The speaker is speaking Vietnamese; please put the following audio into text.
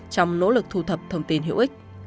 trong nỗ lực thu thập thông tin hữu ích